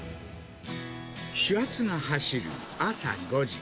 始発が走る朝５時。